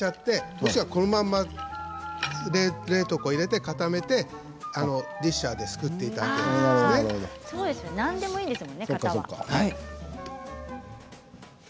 もしくはこのまま冷凍庫に入れて固めてディッシャーですくって食べるといいですよ。